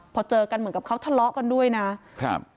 พอเจอกันเหมือนกับเขาทะเลาะกันด้วยนะครับ